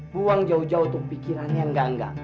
buang jauh jauh untuk pikiran yang enggak enggak